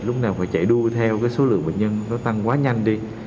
lúc nào phải chạy đua theo cái số lượng bệnh nhân nó tăng quá nhanh đi